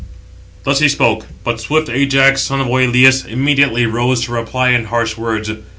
Thus he spoke; but swift Ajax, son of Oïleus, immediately rose to reply in harsh words.